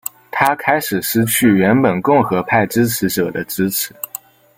他开始失去原本共和派支持者的支持。